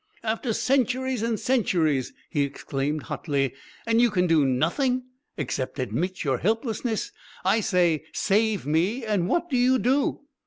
"After centuries and centuries," he exclaimed hotly; "and you can do nothing except admit your helplessness. I say, 'save me' and what do you do?"